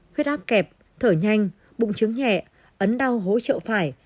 huyết áp kẹp thở nhanh bụng trứng nhẹ ấn đau hố trậu phải